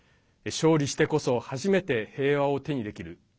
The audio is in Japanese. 勝利してこそ初めて平和を手にできる。